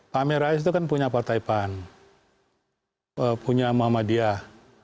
pak amin rais itu kan punya partai pan punya muhammadiyah